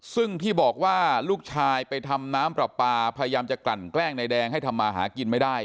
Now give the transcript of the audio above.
ซึ่งที่บอกว่าลูกชายไปทำน้ำปลาปลาพยายามจะกลั่นแกล้งในแดงให้ทำมาหากินไม่ได้